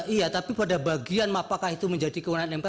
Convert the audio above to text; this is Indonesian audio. iya tapi pada bagian apakah itu menjadi kewenangan mk